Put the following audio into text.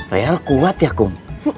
real kuat ya akum